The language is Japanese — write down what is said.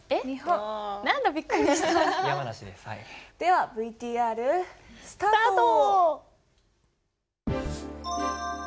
ではＶＴＲ。スタート。